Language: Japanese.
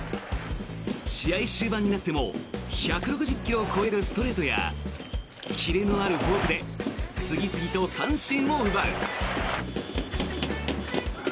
試合終盤になっても１６０ｋｍを超えるストレートやキレのあるフォークで次々と三振を奪う。